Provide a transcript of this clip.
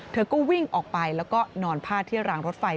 เธอก็วิ่งออกไปแล้วก็นอนพาดที่รางรถไฟ